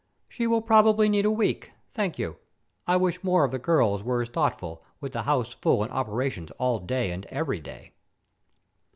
"She will probably need a week. Thank you. I wish more of the girls were as thoughtful, with the house full and operations all day and every day."